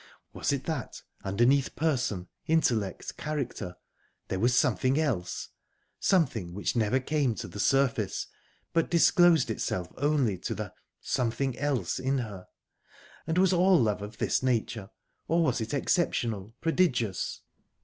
Was it that, underneath person, intellect, character, there was something else something which never came to the surface, but disclosed itself only to the something else in her? And was all love of this nature, or was it exceptional, prodigious?...